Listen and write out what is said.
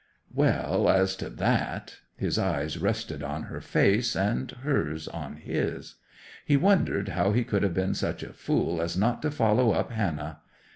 '"Well, as to that—" His eyes rested on her face, and hers on his. He wondered how he could have been such a fool as not to follow up Hannah.